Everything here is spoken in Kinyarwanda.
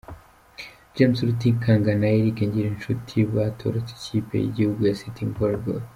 James Rutikanga na Eric Ngirinshuti batorotse ikipe y’igihugu ya sitting volleyball.